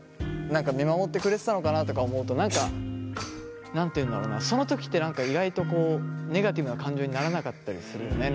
何か見守ってくれてたのかなとか思うと何か何て言うんだろうなその時って意外とネガティブな感情にならなかったりするよね。